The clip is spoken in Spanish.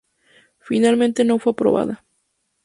Finalmente no fue aprobada.